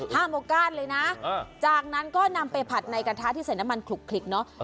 โอกาสเลยนะจากนั้นก็นำไปผัดในกระทะที่ใส่น้ำมันคลุกเนอะ